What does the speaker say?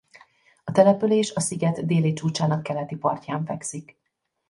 A település a sziget déli csúcsának keleti partján fekszik.